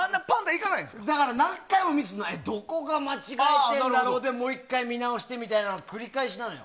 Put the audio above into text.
何回もミスしてどこが間違えてるんだろうってもう１回見直してみたいなの繰り返しなの。